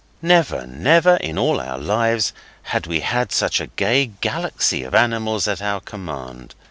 Never, never in all our lives had we had such a gay galaxy of animals at our command.